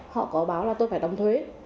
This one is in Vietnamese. họ có báo là tôi phải đóng thuế